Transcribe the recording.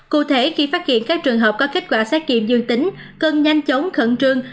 cụ thể khi phát hiện các trường hợp có kết quả xét nghiệm dương tính cần nhanh chóng khẩn trương